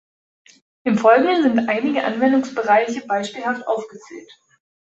Im Folgenden sind einige Anwendungsbereiche beispielhaft aufgezählt.